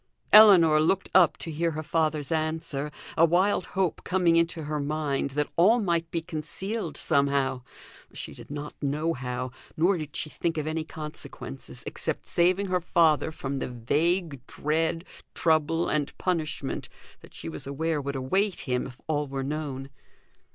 Ellinor looked up to hear her father's answer, a wild hope coming into her mind that all might be concealed somehow; she did not know how, nor did she think of any consequences except saving her father from the vague dread, trouble, and punishment that she was aware would await him if all were known.